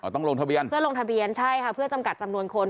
ต้องลงทะเบียนเพื่อลงทะเบียนใช่ค่ะเพื่อจำกัดจำนวนคน